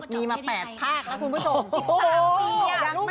มีมา๘ภาคนะคุณผู้ชม